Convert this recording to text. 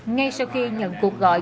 ngay sau khi nhận cuộc gọi